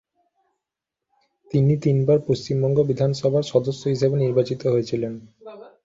তিনি তিনবার পশ্চিমবঙ্গ বিধানসভার সদস্য হিসেবে নির্বাচিত হয়েছিলেন।